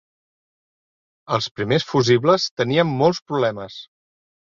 Els primers fusibles tenien molts problemes.